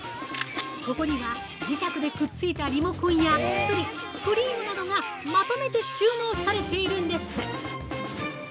ここには、磁石でくっついたリモコンや薬、クリームなどがまとめて収納されているんです。